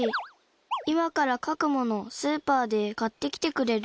今から書く物スーパーで買ってきてくれる？